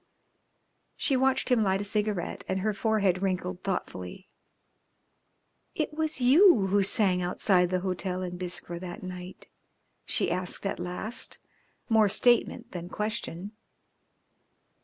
She watched him light a cigarette, and her forehead wrinkled thoughtfully. "It was you who sang outside the hotel in Biskra that night?" she asked at last, more statement than question.